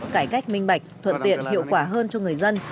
cải cách minh bạch thuận tiện hiệu quả hơn cho người dân